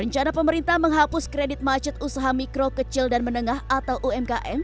rencana pemerintah menghapus kredit macet usaha mikro kecil dan menengah atau umkm